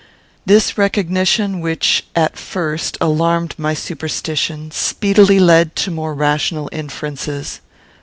This recognition, which at first alarmed my superstition, speedily led to more rational inferences.